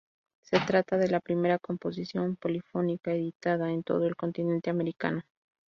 Se trata de la primera composición polifónica editada en todo el continente americano.